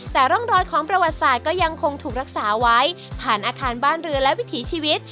แต่ร่องรอยของประวัติศาสตร์ก็ยังคงถูกรักษาไว้ผ่านอาคารบ้านเรือและวิถีชีวิต